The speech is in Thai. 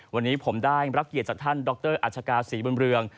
วันนี้ผมได้รับเกียรติจากท่านดรอัชกาศรีบุญเรือง